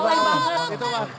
banyak yang minta lamar aku